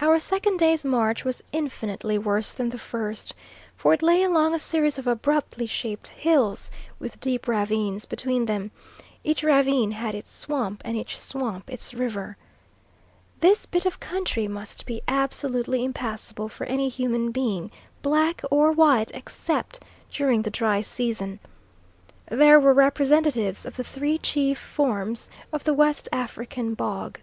Our second day's march was infinitely worse than the first, for it lay along a series of abruptly shaped hills with deep ravines between them; each ravine had its swamp and each swamp its river. This bit of country must be absolutely impassable for any human being, black or white, except during the dry season. There were representatives of the three chief forms of the West African bog.